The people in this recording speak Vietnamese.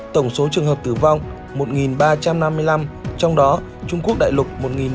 tổng số trường hợp tử vong một ba trăm năm mươi năm trong đó trung quốc đại lục một ba trăm năm mươi ba